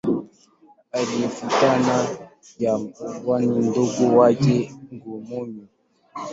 Aliyemfuata ni mdogo wake Go-Komyo.